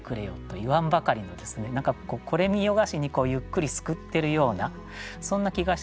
何かこれ見よがしにゆっくりすくってるようなそんな気がしてですね